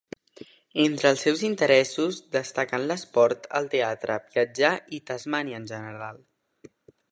Entre els seus interessos destaquen l'esport, el teatre, viatjar i Tasmània en general.